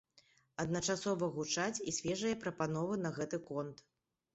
Адначасова гучаць і свежыя прапановы на гэты конт.